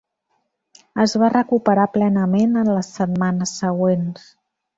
Es va recuperar plenament en les setmanes següents.